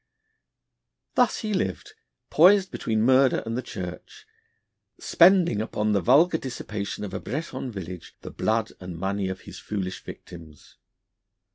Thus he lived, poised between murder and the Church, spending upon the vulgar dissipation of a Breton village the blood and money of his foolish victims.